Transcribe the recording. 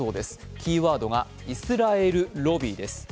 キーワードが、イスラエルロビーです。